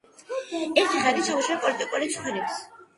ერთი ხნით ჩამოშორდა პოლიტიკურ ცხოვრებას.